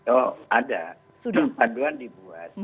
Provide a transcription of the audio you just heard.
oh ada panduan dibuat